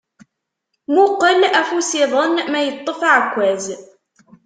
Muqel afus-iḍen ma yeṭṭef aɛekkaz.